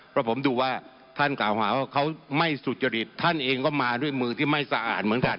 เพราะผมดูว่าท่านกล่าวหาว่าเขาไม่สุจริตท่านเองก็มาด้วยมือที่ไม่สะอาดเหมือนกัน